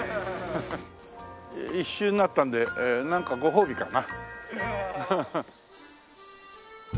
一周になったのでなんかご褒美かな？